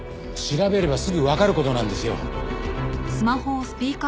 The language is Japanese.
調べればすぐわかる事なんですよ。